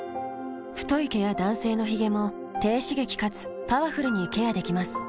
太い毛や男性のヒゲも低刺激かつパワフルにケアできます。